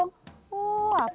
abang tuh udah berantem